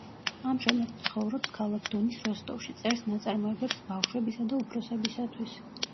ამჟამად ცხოვრობს ქალაქ დონის როსტოვში, წერს ნაწარმოებებს ბავშვებისა და უფროსებისათვის.